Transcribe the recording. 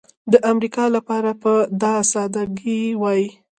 د امریکا لپاره به دا سادګي وای.